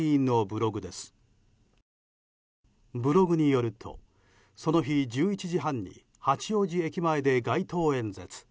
ブログによるとその日１１時半に八王子駅前で街頭演説。